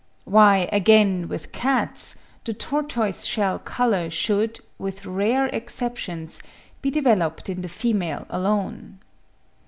Why, again, with cats, the tortoise shell colour should, with rare exceptions, be developed in the female alone.